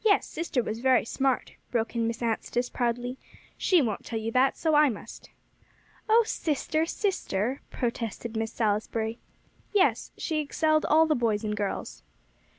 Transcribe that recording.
"Yes; sister was very smart," broke in Miss Anstice proudly "she won't tell you that; so I must." "Oh sister, sister," protested Miss Salisbury. "Yes, she excelled all the boys and girls."